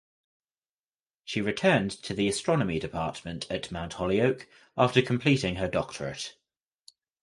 She returned to the astronomy department at Mount Holyoke after completing her doctorate.